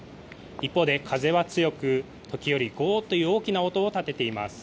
一方で風は強く時折、ゴーっという大きな音を立てています。